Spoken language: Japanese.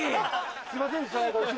すいませんでした。